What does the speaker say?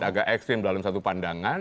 agak ekstrim dalam satu pandangan